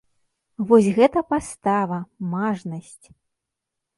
Вось гэта пастава, мажнасць!